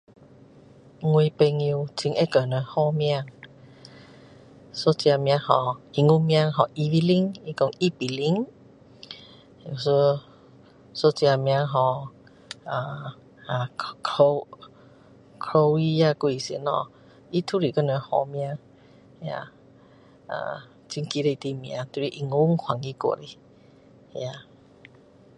我朋友很会给人取名一个名叫英文名叫 Eileen 他说一比零一一个名叫啊 Co Chloe 啊还是什么他都是给人取名那那啊很奇怪的名字都是英文翻译过来的 ya